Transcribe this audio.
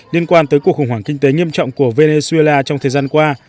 liên quan tới cuộc khủng hoảng kinh tế nghiêm trọng của venezuela trong thời gian qua